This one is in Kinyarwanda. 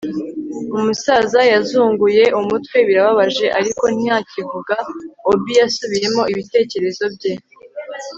umusaza yazunguye umutwe birababaje ariko ntakivuga. obi yasubiyemo ibitekerezo bye